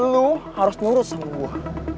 lo harus nurut sama gue